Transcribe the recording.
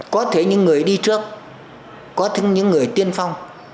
có thể những người đi trước có thêm những người tiên phong